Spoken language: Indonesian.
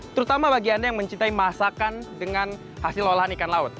terutama bagi anda yang mencintai masakan dengan hasil olahan ikan laut